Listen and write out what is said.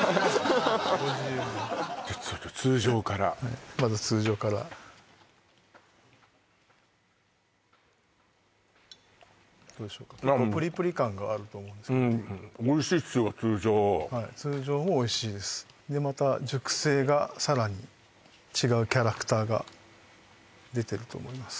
ハハハじゃちょっと通常からまず通常からどうでしょうかと思うんですけどうん通常はい通常もおいしいですでまた熟成がさらに違うキャラクターが出てると思います